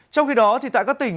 trong khi đó thì tại các tỉnh